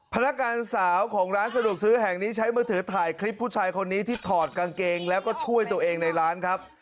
พนักงานสาวของร้านสะดวกซื้อแห่งนี้ใช้มือถือถ่ายคลิปผู้ชายคนนี้ที่ถอดกางเกงแล้วก็ช่วยตัวเองในร้านครับ